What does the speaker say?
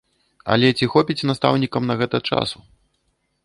Але ці хопіць настаўнікам на гэта часу?